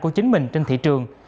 của chính mình trên thị trường